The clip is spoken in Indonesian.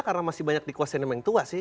karena masih banyak dikuasain sama yang tua sih